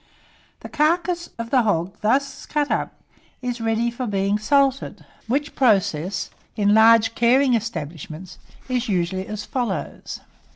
The carcass of the hog thus cut up is ready for being salted, which process, in large caring establishments, is generally as follows.